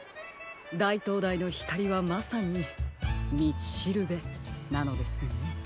だいとうだいのひかりはまさに「みちしるべ」なのですね。